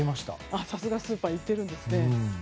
さすがスーパーに行っているんですね。